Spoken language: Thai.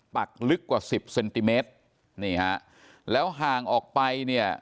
ปักลึกกว่าสิบเซนติเมตรนี่ฮะแล้วห่างออกไปเนี่ย